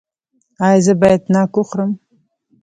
ایا زه باید ناک وخورم؟